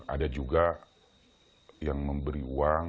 ada juga yang memberi uang